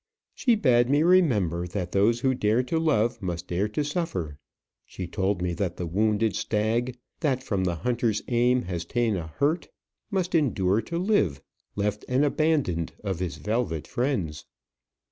"She bade me remember, that those who dare to love must dare to suffer. She told me that the wounded stag, 'that from the hunter's aim has ta'en a hurt,' must endure to live, 'left and abandoned of his velvet friends.'